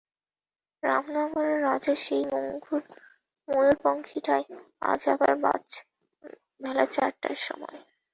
রামনগরের রাজার সেই ময়ুরপঙ্খীটায় আজ আবার বাচ, বেলা চারটার সময়!